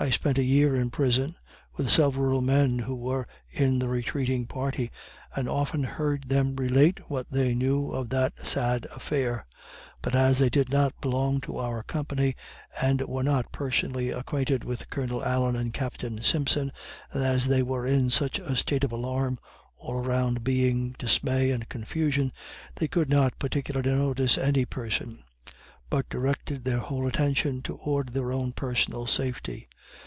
I spent a year in prison with several men who were in the retreating party, and often heard them relate what they knew of that sad affair; but as they did not belong to our company, and were not personally acquainted with Colonel Allen and Captain Simpson, and as they were in such a state of alarm all around being dismay and confusion they could not particularly notice any person, but directed their whole attention toward their own personal safety.